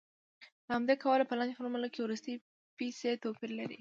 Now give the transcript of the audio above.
له همدې کبله په لاندې فورمول کې وروستۍ پیسې توپیر لري